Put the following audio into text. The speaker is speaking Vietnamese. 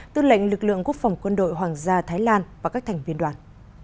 tư lệnh lực lượng quốc phòng quân đội hoàng gia thái lan và các thành viên đoàn